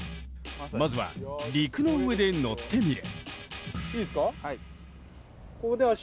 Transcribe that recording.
まずは、陸の上で乗ってみる。